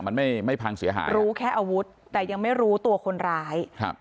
มันไม่ไม่พังเสียหายรู้แค่อาวุธแต่ยังไม่รู้ตัวคนร้ายครับ